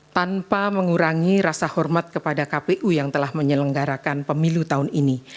tanpa mengurangi rasa hormat kepada kpu yang telah menyelenggarakan pemilu tahun ini